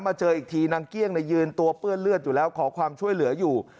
เจออีกทีนางเกี้ยงยืนตัวเปื้อนเลือดอยู่แล้วขอความช่วยเหลืออยู่